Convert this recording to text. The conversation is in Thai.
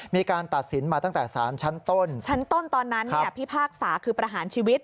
มีการตัดสินมาตั้งแต่สารชั้นต้นชั้นต้นตอนนั้นเนี่ยพิพากษาคือประหารชีวิต